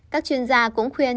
các chuyên gia cũng khuyên